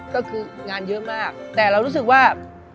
ก็คืองานเยอะมากแต่เรารู้สึกว่า